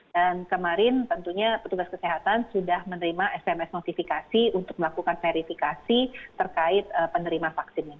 dan kemarin tentunya petugas kesehatan sudah menerima sms notifikasi untuk melakukan verifikasi terkait penerima vaksin ini